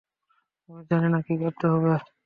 আমি জানি না, কী করতে হবে।